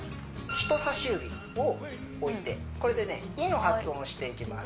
人さし指を置いてこれでね「イ」の発音をしていきます